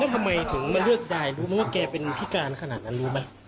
แล้วทำไมถึงไม่เลือกได้รู้มั้ยว่าแกเป็นพิการขนาดนั้นรู้มั้ย